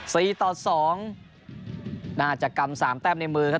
สี่ต่อสองน่าจะกำสามแต้มในมือครับ